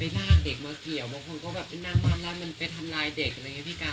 ไปลากเด็กมาเกี่ยวบางคนก็แบบเป็นนั่งบ้านแล้วมันไปทำร้ายเด็กอะไรเงี้ยพี่การ